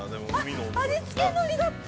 ◆味付けノリだって！